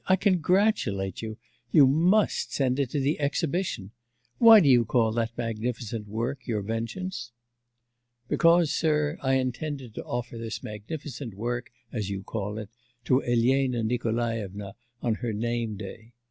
'I congratulate you. You must send it to the exhibition! Why do you call that magnificent work your vengeance?' 'Because, sir, I intended to offer this magnificent work as you call it to Elena Nikolaevna on her name day.